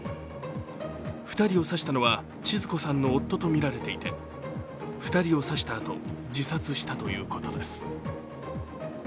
２人を刺したのはちづ子さんの夫とみられていて２人を刺したあと、自殺したということです。